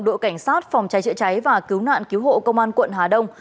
đội cảnh sát phòng cháy chữa cháy và cứu nạn cứu hộ công an quận hà đông